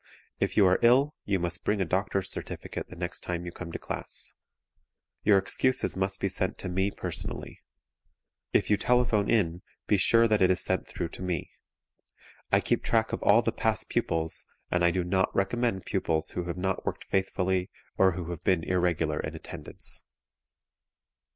If you are ill you must bring a doctor's certificate the next time you come to class. Your excuses must be sent to me personally. If you telephone in, be sure that it is sent through to me. I keep track of all the past pupils, and I do not recommend pupils who have not worked faithfully or who have been irregular in attendance.